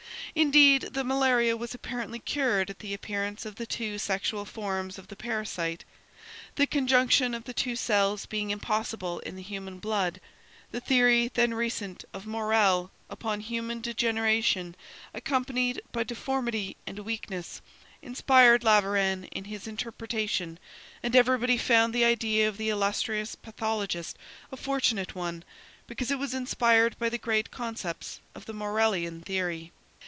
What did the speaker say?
Indeed, the malaria was apparently cured at the appearance of the two sexual forms of the parasite, the conjunction of the two cells being impossible in the human blood. The theory–then recent–of Morel upon human degeneration accompanied by deformity and weakness, inspired Laveran in his interpretation, and everybody found the idea of the illustrious pathologist a fortunate one, because it was inspired by the great concepts of the Morellian theory.